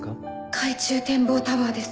海中展望タワーです